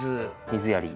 水やり。